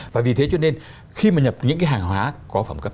và vì thế cho nên khi mà nhập những cái hàng hóa có phẩm cấp